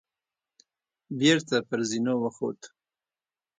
بېرته پر زينو وخوت.